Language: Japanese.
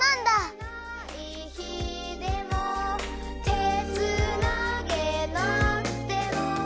「あえない日でも手つなげなくても」